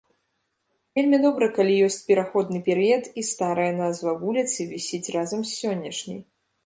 Вельмі добра, калі ёсць пераходны перыяд і старая назва вуліцы вісіць разам з сённяшняй.